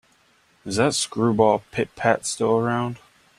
Is that screwball Pit-Pat still around?